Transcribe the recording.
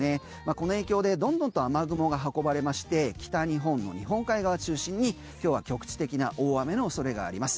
この影響でどんどんと雨雲が運ばれまして北日本の日本海側中心に今日は局地的な大雨の恐れがあります。